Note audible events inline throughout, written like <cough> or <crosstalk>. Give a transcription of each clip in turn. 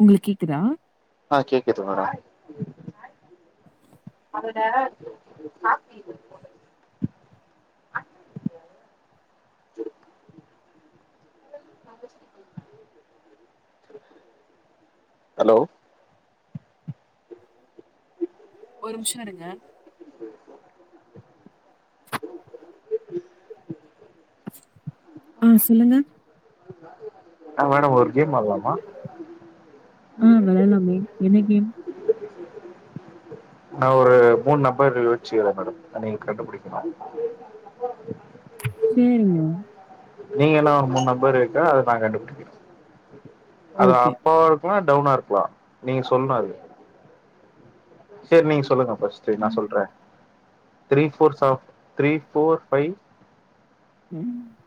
உங்களுக்கு கேக்குதா ஆ கேக்குது மேடம் அதோட <unintelligible> ஹலோ ஒரு மிஷோ இருங்க ஆ சொல்லுங்க ஆ மேடம் ஒரு கேம் ஆட்லாமா ஆ வெளாட்லாமே என்ன கேம் நா ஒரு மூண் நம்பரு யோச்சுக்ற மேடம் நீங்க கண்டுபுடிக்கணு சேரிங்க நீங்க ஏன்னா மூண் நம்பரேக்கா அத நா கண்டுபுடிக்கனு. அத ஓகே அப்போ லா டவுனா இருக்லா நீங்க சொன்ன அது சேரி நீங்க சொல்லுங்க ஃபர்ஸ்ட்டு நா ம். சொல்ற த்ரீ ஃபோர்ஸா த்ரீ ஃபோர் ஃபைவ் ம்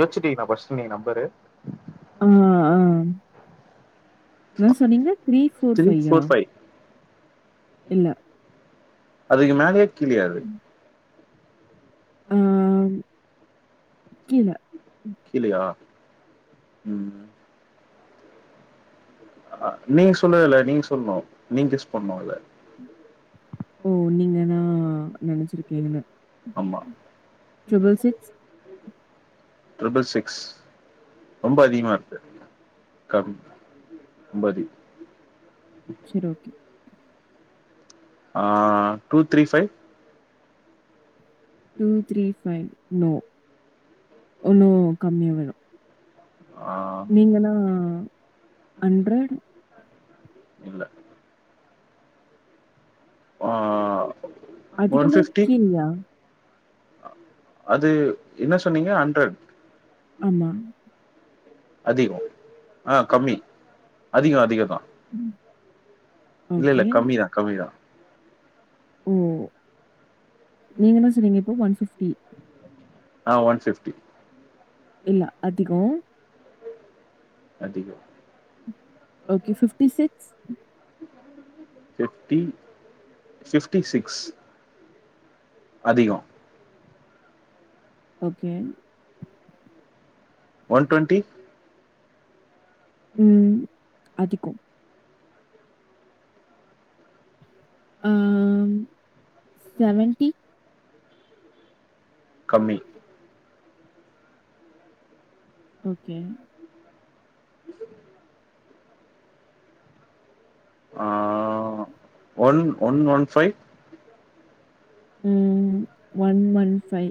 யோச்சிட்டீங்ளா ஃபஸ்ட் நீங்க நம்பரு ஆ ஆ என்ன சொன்னீங்க த்ரீ ஃபோர் ஃபையா? இல்ல அதுக்கு மேலயா கீழயா அது? ஆ கீழ கீழயா உம் நீங்க சொல்லவே இல்ல நீங்க சொல்ணு நீங்க கெஸ் பண்ணுல்ல ஓ நீங்க என்னா நெனச்சிருக்கீங்கன்னு அம்மா ட்ரிபுள் சிக்ஸ் ரொம்ப அதிகமா இருக்கு கம் ரொம்ப அதி சேரி ஓகே ஆ two three five two three five no ஒன்னூ கம்மியா வேணு ஆ நீங்கதா அண்ட்ரட் இல்ல ஆ ஒன் அதிகமா ஃபிஃப்டி கீழயா? அது என்ன சொன்னீங்க அண்ட்ரட் ஆமா அதிகோ ஆ கம்மி அதிகோ அதிகோ தா ம் இல்லல்லே கம்மிதா கம்மிதா ஓ நீங்க என்ன சொன்னீங்க இப்போ ஒன் ஃபிஃப்டி ஆ ஒன் ஃபிஃப்டி இல்ல அதிகோ அதிகோ okay fifty six fifty fifty six அதிகோ ஓகே ஒன் டொண்ட்டி ம் அதிகோ ஆ செவன்ட்டி கம்மி ஓகே உ <unintelligible> ஆ ஒன் ஒன் ஒன் ஃபை ம் ஒன் ஒன் ஃபை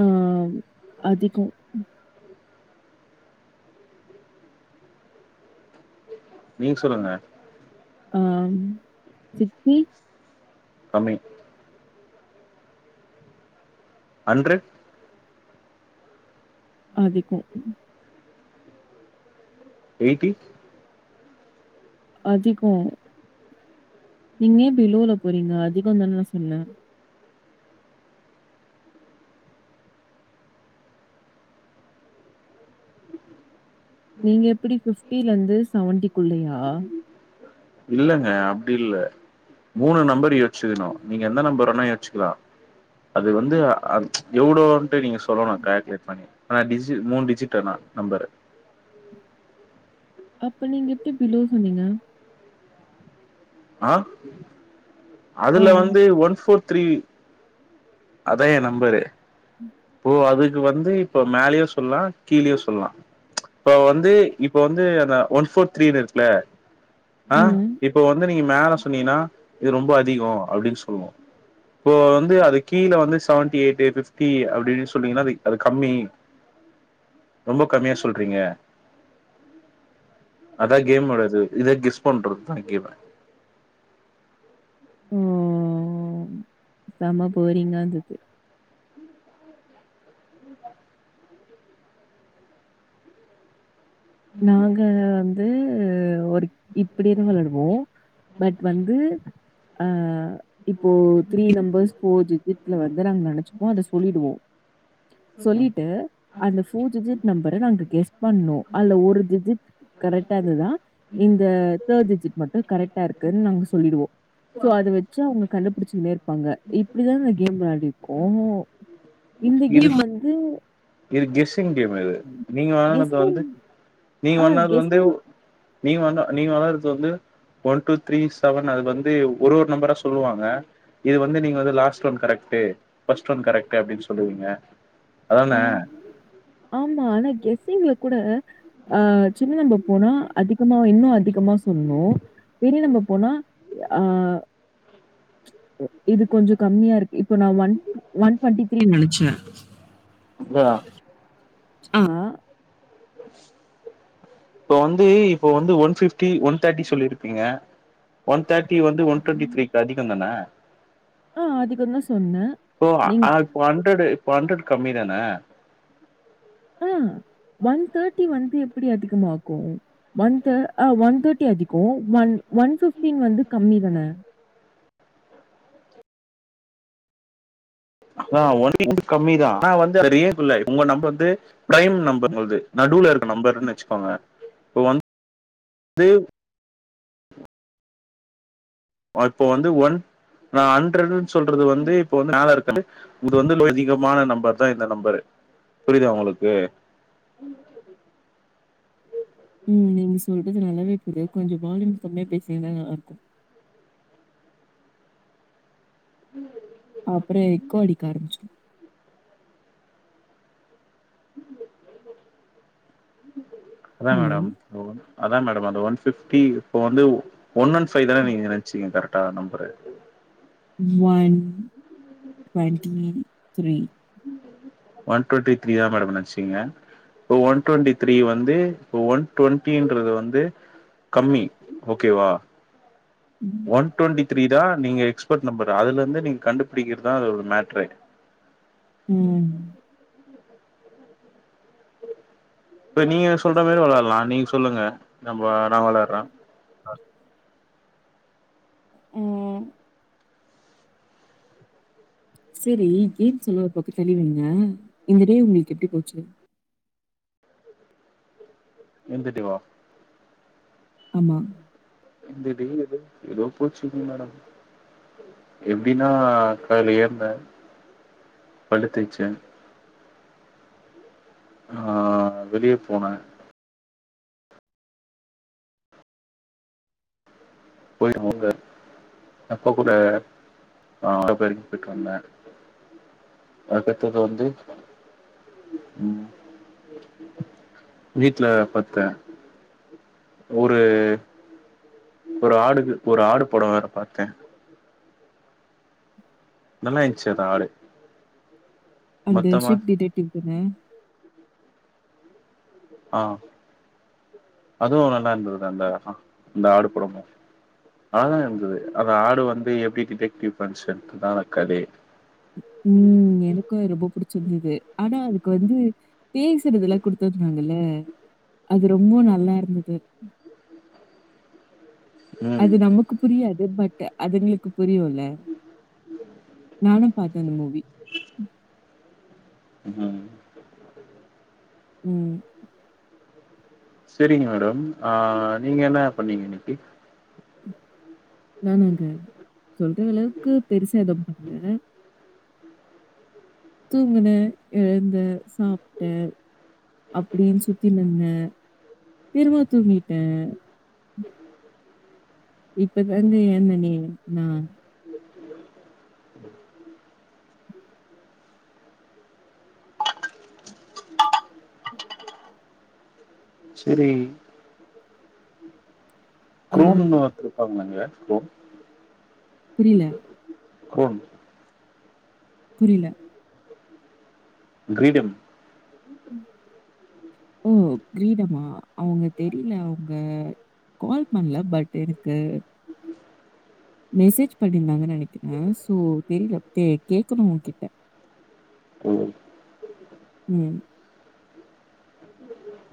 ஆ அதிகோ நீங் சொல்லுங்க ஆ சிக்ஸ்டி கம்மி அன்ட்ரட் அதிகோ எயிட்டி அதிகோ நீங்க ஏ பிலோல போறீங்க அதிகோதானே நா சொன்னே நீங்க எப்டி ஃபிஃப்டிலேந்து செவன்ட்டிக்குள்ளயா இல்லங்க அப்டி இல்ல மூணு நம்பர் யோச்சிக்கணு நீங்க எந்த நம்பர் வேணா யோச்சிக்கலா அது வந்து ஆ இவ்ளோன்ட்டு நீங்க சொல்லணு கால்குலேட் பண்ணி ஆ டிஜிவ் மூணு டிஜிட் ஆனா நம்பரு அப்ப நீங்க எப்டி பிலோ சொன்னீங்க அ ஆ. அதுல வந்து ஒன் ஃபோர் த்ரீ அதா ஏ நம்பரு இப்போ அதுக்கு வந்து இப்போ மேலயு சொல்லா கீழயு சொல்லா இப்ப வந்து இப்ப வந்து அந்த ஒன் ஃபோர் த்ரீன்ருக்குல ஆ ம். இப்போ வந்து நீங்க மேல சொன்னீங்கனா இது ரொம்ப அதிகோ அப்டின் சொல்லுவோ இப்போ வந்து அதுக் கீழ வந்து செவன்ட்டி எயிட் ஃபிப்டி அப்ட் டி சொன்னீங்கனா அதுக் அது கம்மி ரொம்ப கம்மியா சொல்றீங்க அதா கேமோடது இது கெஸ் பண்றதுதா கேம ம் செம போரிங்கா இந்துது உம் <unintelligible> நாங்க வந்து ஒர்க் இப்டியேதா விளாடுவோ பட் வந்து ஆ இப்போ த்ரீ நம்பர்ஸ் ஃபோ டிஜிட்ல வந்து நாங்க நெனச்சுப்போ அத சொல்லிடுவோ. சொல்லிட்டு அந்த ஃபோ டிஜிட் நெம்பர நாங்க கெஸ் பண்ணு. அல்ல ஒரு டிஜிட் கரெக்ட்டா இர்ந்துதுனா இந்த தேட் டிஜிட் மட்டு கரெக்ட்டா இருக்குன் நாங்க சொல்லிடுவோ. சோ அத வெச்சு அவுங்க கண்டுபுடிச்சு நேர் ப்பாங்க இப்பிடிதா இந்த கேம் வெளாடிர்க்கோ இந்த இது கேம் வந்து இது கெஸ்ஸிங் கேமு இது நீங்க வெளானது வந்து கெஸ்ஸிங் நீங்க ஆ வந்து அது வந்து ஒ கெஸ்ஸிங் நீங்க வந்தா நீங்க வெளாறது வந்து ஒன் டூ த்ரீ செவன் அது வந்து ஒரு ஒரு நெம்பரா சொல்லுவாங்க. இது வந்து நீங்க வந்து last one correct first one correct அப்டின் சொல்லுவிங்க அதான ஆ. ஆமா ஆனா கெஸ்ஸிங்ல கூட ஆ சின்ன நெம்ப போனா அதிகமா இன்னு அதிகமா சொல்ணு. பெரிய நெம்ப போனா ய ஆ இது கொஞ்சோ கம்மியா இருக்கு இப்ப நா ஒன்ட்டு ஒன் டுவெண்டி த்ரீ நெனச்சே. த்யா ஆ அ உ <inaudible> இப்ப வந்து இப்போ வந்து ஒன் ஃபிஃப்டி ஒன் தேட்டி சொல்லிருப்பிங்க. ஒன் தேட்டி வந்து ஒன் டொண்ட்டி த்ரீக் அதிகந்தான. அ அதிகந்தா சொன்னே நீங் ப்பொ ஹண்ரடு இப்பொ ஹண்ரடு கம்மி தான. அ ஒன் தேட்டி வந்து எப்பிடி அதிகமாக்கு. ஒன் தே அ ஒன் தேட்டி அதிகோ ஒன் ஒன் ஃபிஃப்டீன் வந்து கம்மி தான. அ <inaudible> கம்மிதா நா வந்து <inaudible> உங்க நெம்ப் வந்து பிரைம் நெம்பர் உங்குள்து நடுவுல இருக்க நெம்பர்னு வெச்சுக்கோங்க இப்ப <inaudible> அ இப்போ வந்து ஒன் நா ஹண்ரடுன் சொல்றது வந்து இப்போ வந்து மேல <inaudible> இது வந்து <inaudible> அதிக மான நெம்பர் தா இந்த நெம்பரு புரியுதா உங்குளுக்கு? ம் நீங்க சொல்றது நல்லாவே புரியு கொஞ்சோ வால்யூம் கம்மியா பேசிங்கனா நல்லாருக்கும். இந்த மாதிரி அப்றோ எக்கோ அடிக்க ஆரம்பிச்சுரு. அதா ஹலோ, மேடம் அ ஒன் அதா மேடம் அந்த ஒன் ஃபிஃப்டி இப்ப வந்து ஒன் ஒன் ஃபைவ் தான நீங்க நெனைச்சீங்க கரெக்ட்டா number. One twenty three. One twenty three ஏ மேடம் நெனைச்சிங்க. இப்ப ஒன் டொன்ட்டி த்ரீய வந்து இப்ப ஒன் டொன்ட்டின்றது வந்து கம்மி ஓகேவா. ஒன் டொன்ட்டி த்ரீ தா நீங்க எக்ஸ்பட் நெம்பரு அதுலந்து நீங்க கண்டுபுடிக்கிறதா அது ஒரு மேட்ரே. ம். இப்ப நீங்க சொல்ற மாரி வெளயால்லா நீங்க சொல்லுங்க நம்பொ நா வெளார்றே. அ ம். செரி கேம்ஸ் எல்லா ஒரு பக்கொ தள்ளி வெய்ங்க இந்த டே உங்குளுக்கு எப்டி போச்சு? இந்த டே வா? ஆமா. இந்த டே எனக் எதோ போச்சிங் மேடம். எப்டினா காலி எம்மு படுத்திச்சு. நா வெளிய போனே. போயிட்டு <inaudible> அப்பா கூட நா <inaudible> போயிட்டு வந்தே. அடுத்தது வந்து ம். வீட்ல பாத்த ஒரு ஒரு ஆடுக்கு ஒரு ஆடு பட வேற பாத்த நல்லா இருந்ச்சி அந்த ஆடு அந்த மொத்தமா ஷிப் டிடெக்டிவ் தானே ஆ அதுவு நல்லாருந்ததுக்கா அந்த அந்த ஆடு படமு நல்லாதா இருந்தது அந்த ஆடு வந்து எப்டி டிடெக்டிவ் பண்ணிச்சின்ட்டுதா அந்த கதையே ம் எனக் கு அது ரொம்ப புடிச்சிருந்தது ஆனா அதுக்கு வந்து பேசுறது எல்லா குடுத்துருந்தாங்கல்ல அது ரொம்ப நல்லா இருந்தது அது ம் நமக்கு புரியாது பட் அதுங்களுக்கு புரியு இல்ல நானும் பாத் த அந்த மூவி ம் ம் செரிங்க மேடம் ஆ நீங்க என்ன பண்ணீங்க இன்னைக்கு நானாங்க சொல்ற அளவுக்கு பெருசா எதுவு பண்ல தூங்குன எழுந்த சாப்ட்ட அப்டின்னு சுத்தின்னு இருந்த திரும்பவு தூங்கிட்ட இப்பதாங்க எழுந்தேனே நா செரி ஆ குரோனுன்னு ஒருத்தர் இருப்பாங்கல்லங்க குரோன் புரியல, குரோன் புரியில கிரீடம் ஓ கிரீடமா அவுங்க தெரியல அவுங்க கால் பண்ல பட் எனக்கு மெசேஜ் பண்ணிருந்தாங்கன்னு நெனைக்கிற சோ தெரியல கே கேக்கணு அவுங்கக்கிட்ட ம் ம்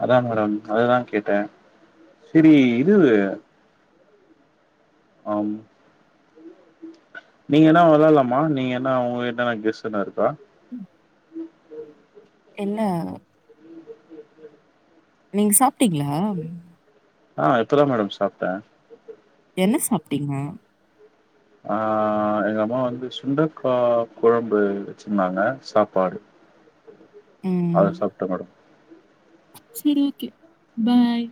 அதா மேடம் அததா கேட்ட செரி இது ஆம் நீங்கன்னா வெளாலாமா நீங்க என்ன உங்கக்கிட்டன கெஸ் எதா இருக்கா ம் என்ன நீங்க சாப்ட்டீங்களா ஆ இப்பதா மேடம் சாப்ட்ட என்ன சாப்ட்டீங்க ஆ எங்க அம்மா வந்து சுண்டக்கா கொழம்பு வச்சிருந்தாங்க சாப்பாடு ம் அத சாப்ட்ட மேடம் சேரி ஓகே பாய்